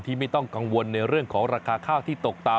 ไม่ต้องกังวลในเรื่องของราคาข้าวที่ตกต่ำ